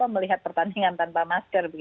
melihat pertandingan tanpa masker